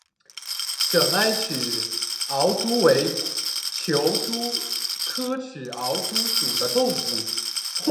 螯埃齿螯蛛为球蛛科齿螯蛛属的动物。